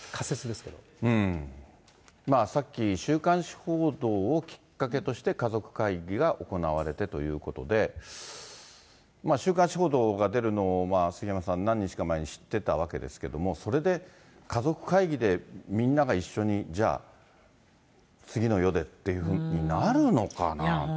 さっき、週刊誌報道をきっかけとして、家族会議が行われてということで、週刊誌報道が出るのを杉山さん、何日か前に知ってたわけですけども、それで家族会議で、みんなが一緒にじゃあ、次の世でっていうふうになるのかなあ。